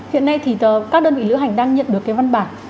hiện nay thì các đơn vị lữ hành đang nhận được cái văn bản